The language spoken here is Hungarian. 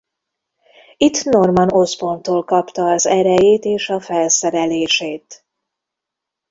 Itt Norman Osborntól kapta az erejét és a felszerelését.